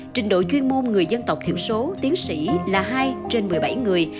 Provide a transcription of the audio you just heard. trình độ chuyên môn người dân tộc thiểu số tiến sĩ là hai trên một mươi bảy người